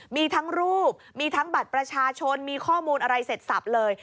มีทั้งรูปมีทั้งบัตรประชาชนมีข้อมูลอะไรเสร็จสับเลย